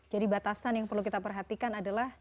jadi batasan yang perlu kita perhatikan adalah